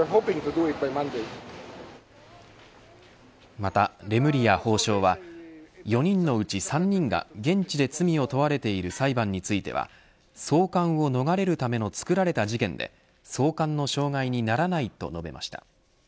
またレムリヤ法相は４人のうち３人が現地で罪を問われている裁判については送還を逃れるための作られた事件で送還の障害にならないと述べました。